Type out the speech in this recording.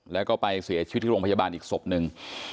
แล้วก็ไปเสียชีวิตที่โรงพยาบาลอีกศพหนึ่ง